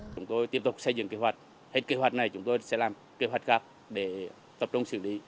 chúng tôi tiếp tục xây dựng kế hoạch hay kế hoạch này chúng tôi sẽ làm kế hoạch gạp để tập trung xử lý